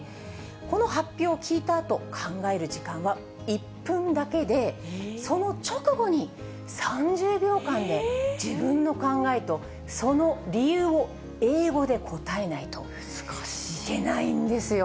この発表を聞いたあと、考える時間は１分だけで、その直後に、３０秒間で自分の考えとその理由を英語で答えないといけないんですよ。